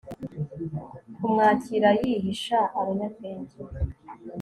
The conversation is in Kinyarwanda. kumwakira, yihisha abanyabwenge